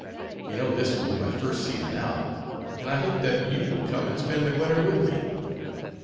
You know this will be my first season out, and I hope that you will come and spend the winter with me.